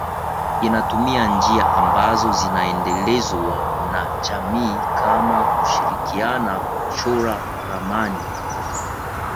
Inatumia njia ambazo zinaendelezwa na jamii kama kushirikiana kuchora ramani